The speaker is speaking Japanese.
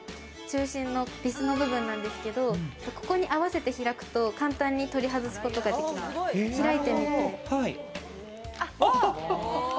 中心のビスの部分なんですけど、ここに合わせて開くと簡単に取り外すことができるんです。